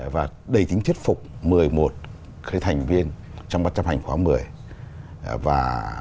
và đầy tính thiết phục một mươi một thành viên trong ban chấp hành khóa một mươi